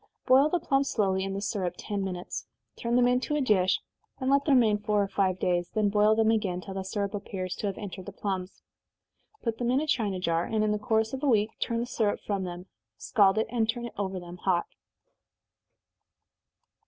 Boil the plums slowly in the syrup ten minutes turn them into a dish, and let them remain four or five days, then boil them again, till the syrup appears to have entered the plums. Put them in a china jar, and in the course of a week turn the syrup from them, scald it, and turn it over them hot.